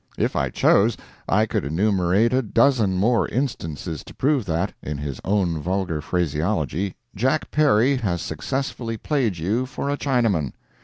If I chose, I could enumerate a dozen more instances to prove that, in his own vulgar phraseology, Jack Perry has successfully played you for a Chinaman.